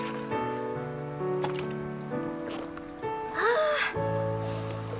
ああ。